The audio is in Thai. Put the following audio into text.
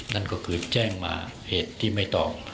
นั่นก็คือแจ้งมาเหตุที่ไม่ต้อง